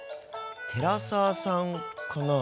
寺澤さんかな？